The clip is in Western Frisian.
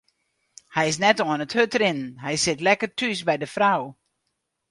Hy is net oan it hurdrinnen, hy sit lekker thús by de frou.